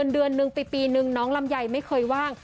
เดือนนึงปีนึงน้องลำไยไม่เคยว่าง